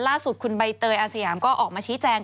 ล่าสุดคุณใบเตยอาสยามก็ออกมาชี้แจง